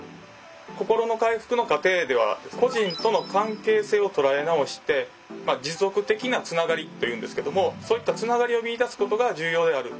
心の回復の過程では故人との関係性を捉え直して「持続的なつながり」と言うんですけどもそういったつながりを見い出すことが重要である。